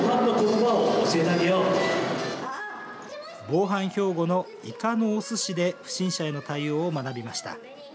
防犯標語の、いかのおすしで不審者への対応を学びました。